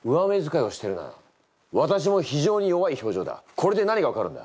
これで何が分かるんだ？